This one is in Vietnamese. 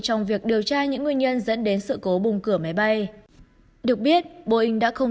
trong việc điều tra những nguyên nhân dẫn đến sự cố bùng cửa máy bay được biết boeing đã không